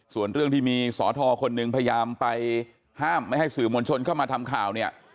ส่วนเรื่องที่มีสอทอคนหนึ่งพยายามไปห้ามไม่ให้สื่อมวลชนเข้ามาทำข่าวเนี่ย